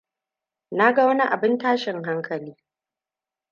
Na ga wani abin tashin hankali.